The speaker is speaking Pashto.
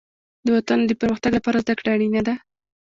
د وطن د پرمختګ لپاره زدهکړه اړینه ده.